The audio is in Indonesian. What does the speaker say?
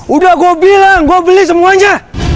udah gue bilang gue beli semuanya